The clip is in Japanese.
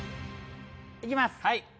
いきます